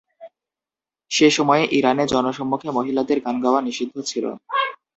সে সময়ে ইরানে জনসম্মুখে মহিলাদের গান গাওয়া নিষিদ্ধ ছিল।